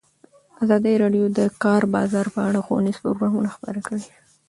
ازادي راډیو د د کار بازار په اړه ښوونیز پروګرامونه خپاره کړي.